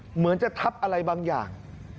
เหมือนจะทับอะไรบางอย่าง